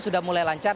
sudah mulai lancar